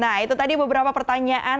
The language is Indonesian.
nah itu tadi beberapa pertanyaan